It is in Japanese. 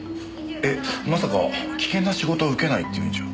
えっまさか危険な仕事を受けないっていうんじゃ。